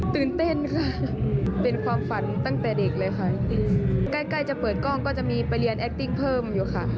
ตื่นเต้นค่ะเป็นความฝันตั้งแต่เด็กเลยค่ะใกล้ใกล้จะเปิดกล้องก็จะมีไปเรียนแอคติ้งเพิ่มอยู่ค่ะ